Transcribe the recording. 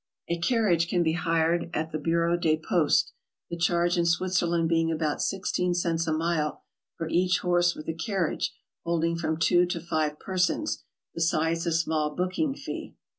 A carriage can be hired at the Bureau des Postes, the charge in Switzerland being about i6 cents a mile for each horse with a carriage holding from two to five persons, be sides a small booking fee.